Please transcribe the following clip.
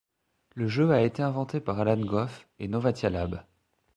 Le jeu a été inventé par Allan Goff et Novatia Labs.